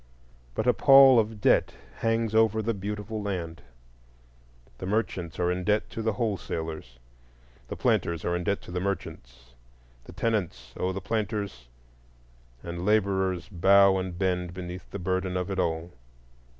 But a pall of debt hangs over the beautiful land; the merchants are in debt to the wholesalers, the planters are in debt to the merchants, the tenants owe the planters, and laborers bow and bend beneath the burden of it all.